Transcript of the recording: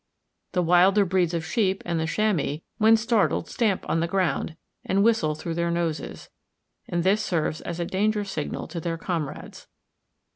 The wilder breeds of sheep and the chamois when startled stamp on the ground, and whistle through their noses; and this serves as a danger signal to their comrades.